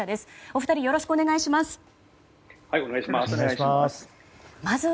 お二人、よろしくお願いします。